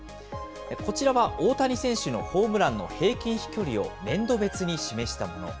こちらは大谷選手のホームランの平均飛距離を年度別に示したもの。